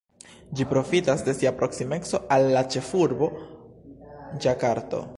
Ĝi profitas de sia proksimeco al la ĉefurbo, Ĝakarto.